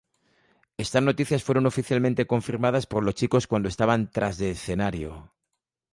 Estas noticias fueron oficialmente confirmadas por los chicos cuando estaban tras de escenario.